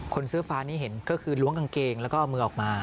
เสื้อฟ้านี่เห็นก็คือล้วงกางเกงแล้วก็เอามือออกมา